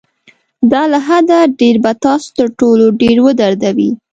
دا له حده ډېر به تاسو تر ټولو ډېر ودردوي.